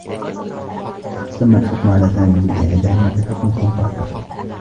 تمّ الحكم على سامي بالإعدام بحقنة قاتلة.